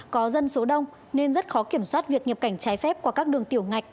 có dân số đông nên rất khó kiểm soát việc nhập cảnh trái phép qua các đường tiểu ngạch